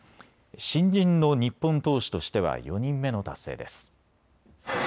新人の日本投手としては４人目の達成です。